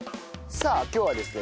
さあ今日はですね